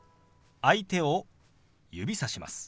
相手を指さします。